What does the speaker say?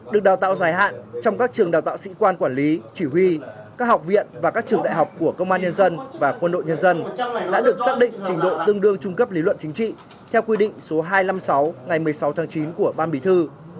được đào tạo dài hạn trong các trường đào tạo sĩ quan quản lý chỉ huy các học viện và các trường đại học của công an nhân dân và quân đội nhân dân đã được xác định trình độ tương đương trung cấp lý luận chính trị theo quy định số hai trăm năm mươi sáu ngày một mươi sáu tháng chín của ban bí thư